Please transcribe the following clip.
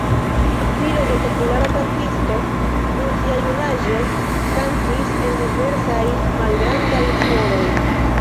Filo de populara kantisto, dum sia junaĝo kantis en diversaj malgrandaj ĥoroj.